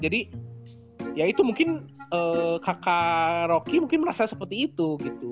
jadi ya itu mungkin kakak rocky mungkin merasa seperti itu gitu